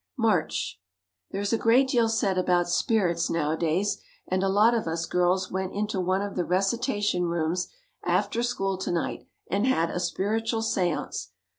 March. There is a great deal said about spirits nowadays and a lot of us girls went into one of the recitation rooms after school to night and had a spiritual seance.